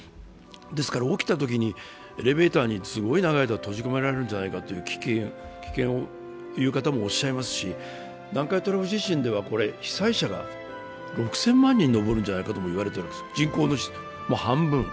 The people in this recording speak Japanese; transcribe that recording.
ですから起きたときに、エレベーターにすごい長い間に閉じ込められるんじゃないかという危険を言う方もいらっしゃいますし南海トラフ地震では被災者が６０００万人に上るのではないかといわれています、もう人口の半分。